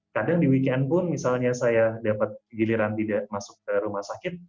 kadang di weekend pun misalnya saya dapat giliran tidak masuk ke rumah sakit